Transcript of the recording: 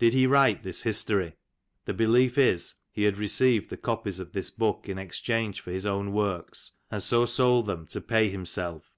Did he write this History ? The belief is he had received the copies of this book in exchange for his own works, and so sold them to pay himself.